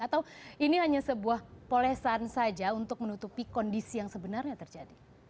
atau ini hanya sebuah polesan saja untuk menutupi kondisi yang sebenarnya terjadi